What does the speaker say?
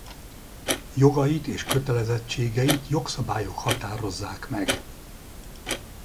Jogait és kötelezettségeit jogszabályok határozzák meg.